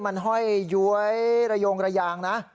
มันห้อยย้วยระยงระยางนะ